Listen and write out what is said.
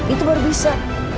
itu baru bisa